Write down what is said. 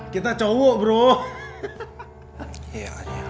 kita adalah orang yang mencintai kamu